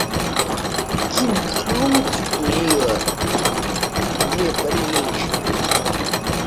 И грудь у нее неприличная.